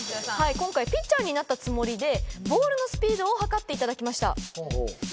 今回ピッチャーになったつもりでボールのスピードを測っていただきました。